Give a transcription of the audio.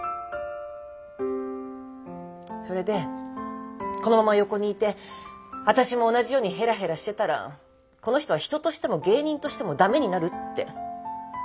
それでこのまま横にいてあたしも同じようにヘラヘラしてたらこの人は人としても芸人としてもダメになるって。